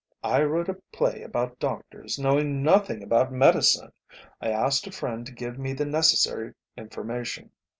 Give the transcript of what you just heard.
I wrote a play about doctors, knowing nothing about medicine: I asked a friend to give me the necessary information.